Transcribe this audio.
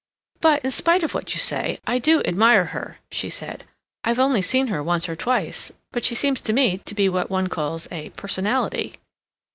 "But, in spite of what you say, I do admire her," she said. "I've only seen her once or twice, but she seems to me to be what one calls a 'personality.